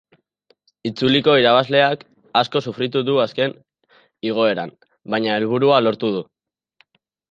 Itzuliko irabazleak asko sofritu du azken igoeran, baina helburua lortu du.